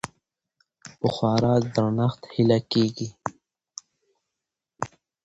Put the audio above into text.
په خورا درنښت هيله کيږي